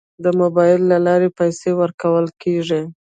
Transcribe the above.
د موبایل له لارې پیسې ورکول کیږي.